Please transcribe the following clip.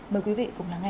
mời quý vị cùng lắng nghe